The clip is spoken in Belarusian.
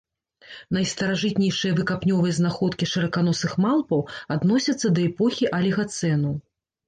Найстаражытнейшыя выкапнёвыя знаходкі шыраканосых малпаў адносяцца да эпохі алігацэну.